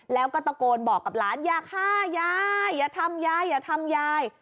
แล้วก็ตะโกนบอกกับหลานอย่าฆ่ายายอย่าทำยายอย่าทำยาย